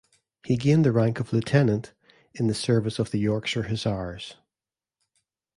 He gained the rank of Lieutenant in the service of the Yorkshire Hussars.